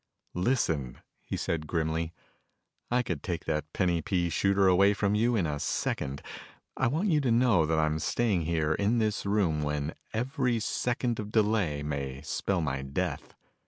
"Listen," he said grimly, "I could take that penny pea shooter away from you in a second. I want you to know that I'm staying here in this room when every second of delay may spell my death.